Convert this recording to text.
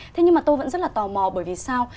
thế nhưng mà tôi vẫn rất là tò mò bởi vì sao